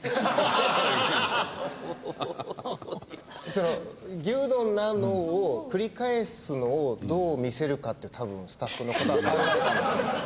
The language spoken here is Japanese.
その「牛丼なの」を繰り返すのをどう見せるかって多分スタッフの方は考えたんだと思うんですよ。